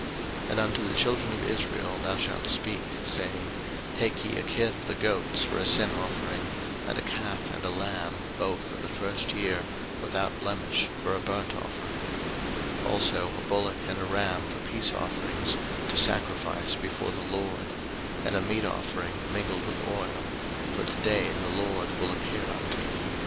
03:009:003 And unto the children of Israel thou shalt speak, saying, Take ye a kid of the goats for a sin offering; and a calf and a lamb, both of the first year, without blemish, for a burnt offering; 03:009:004 Also a bullock and a ram for peace offerings, to sacrifice before the LORD; and a meat offering mingled with oil: for to day the LORD will appear unto you.